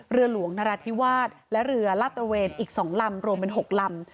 เรือหลวงนราธิวาสและเรือลาดตระเวนอีก๒ลำรวมเป็น๖ลำ